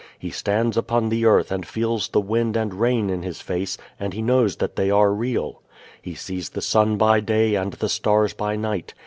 He stands upon the earth and feels the wind and rain in his face and he knows that they are real. He sees the sun by day and the stars by night.